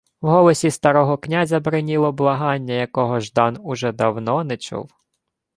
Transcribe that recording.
В голосі старого князя бриніло благання, якого Ждан уже давно не чув.